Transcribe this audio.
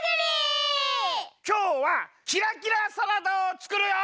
きょうはキラキラサラダをつくるよ！